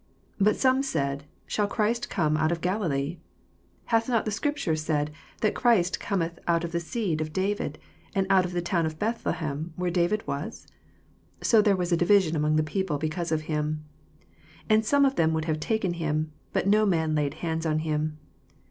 But some said, Shall Christ come out of Galilee 7 42 Hath not the scripture said, That Christ cometh of the seed of Da vid, and out of the town of Bethlehem, where David was 7 43 So there was a diTision among the people because of him. 44 And some of them would have taken him ; but no man laid hands on him.